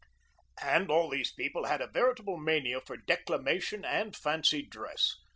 And all these people had a veritable mania for declamation and fancy dress.